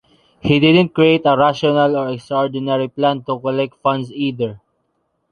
He didn’t create a rational or extraordinary plan to collect funds either.